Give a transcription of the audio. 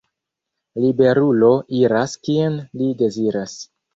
Liberulo iras, kien li deziras!